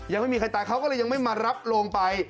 ยังไม่มีใครตายเขาก็เลยยังไม่มารับโรงไป